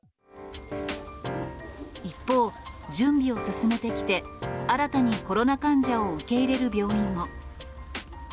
一方、準備を進めてきて、新たにコロナ患者を受け入れる病院も。